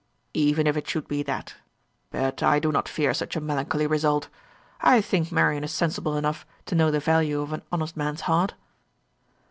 "Even if it should be that. But I do not fear such a melancholy result. I think Marian is sensible enough to know the value of an honest man's heart."